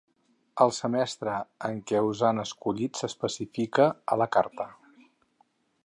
El semestre en què us han escollit s'especifica a la carta.